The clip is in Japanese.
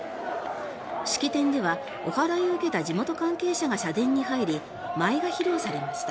式典では、おはらいを受けた地元関係者が社殿に入り舞が披露されました。